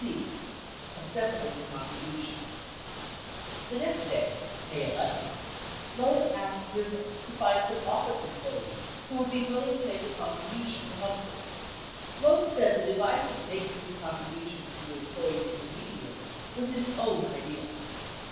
C. Assembling the Contribution The next day, May 11, Loeb asked Griffiths to find some office em ployees who would be willing to make a contribution to Humphrey. Loeb said the device of making his contributions through employee intermediaries was his own idea.